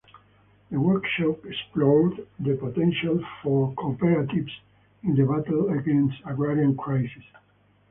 The workshop explored the potential for Cooperatives in the battle against agrarian crisis.